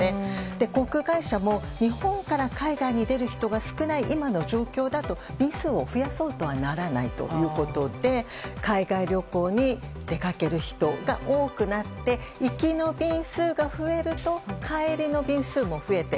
航空会社も日本から海外に出る人が少ない今の状況だと便数を増やそうとはならないということで海外旅行に出かける人が多くなって行きの便数が増えると帰りの便数も増えて